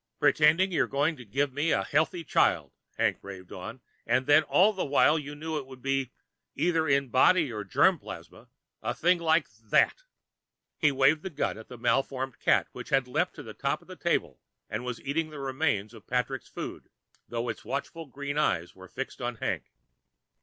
"Pretending you were going to give me a healthy child," Hank raved on, "when all the while you knew it would be either in body or germ plasm a thing like that!" He waved his gun at the malformed cat, which had leaped to the top of the table and was eating the remains of Patrick's food, though its watchful green eyes were fixed on Hank.